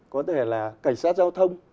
có thể là cảnh sát giao thông